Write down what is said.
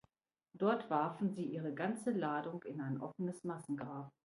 Dort warfen sie ihre ganze Ladung in ein offenes Massengrab.